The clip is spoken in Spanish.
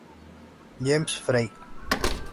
James Frey.